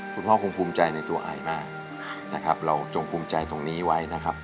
คุณพ่อคงภูมิใจในตัวอายมากนะครับเราจงภูมิใจตรงนี้ไว้นะครับ